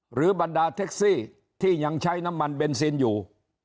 บรรดาแท็กซี่ที่ยังใช้น้ำมันเบนซินอยู่